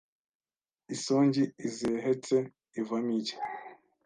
Insongi izehetse ivamo iki